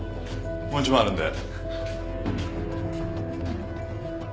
もう１枚あるんで。